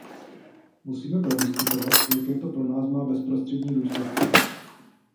Musíme prodiskutovat, jaké to má pro nás bezprostřední důsledky.